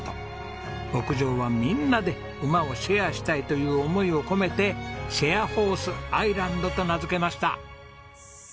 牧場はみんなで馬をシェアしたいという思いを込めてシェアホースアイランドと名付けました。